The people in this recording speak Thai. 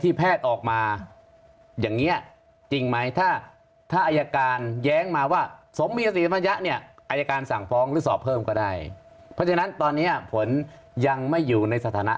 แพทย์ออกมาอย่างเงี้ยจริงไหมถ้าถ้าอายการแย้งมาว่าสมมีศรีมัญญะเนี่ยอายการสั่งฟ้องหรือสอบเพิ่มก็ได้เพราะฉะนั้นตอนนี้ผลยังไม่อยู่ในสถานะ